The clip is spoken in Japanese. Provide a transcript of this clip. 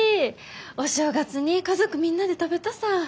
お正月に家族みんなで食べたさぁ。